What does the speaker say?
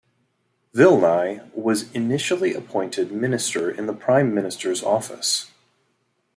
Vilnai was initially appointed Minister in the Prime Minister's Office.